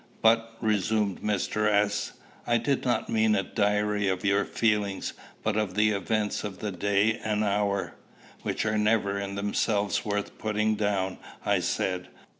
"But," resumed Mr. S., "I did not mean a diary of your feelings, but of the events of the day and hour." "Which are never in themselves worth putting down," I said.